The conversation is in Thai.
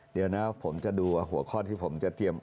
เดี๋ยวนะผมจะดูว่าหัวข้อที่ผมจะเตรียม